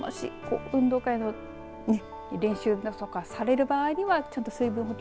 運動会のね練習とかされる場合にはちゃんと水分補給